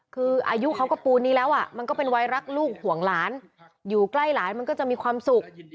คืออายุเขาก็ปูนนี้แล้วมันก็เป็นวัยรักลูกห่วงหลานอยู่ใกล้หลานมันก็จะมีความสุข